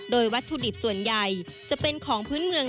โดยวัตถุดิบส่วนใหญ่จะเป็นของพื้นเมือง